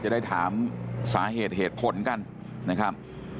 จะได้ถามสาเหตุเหตุผลกันนะครับ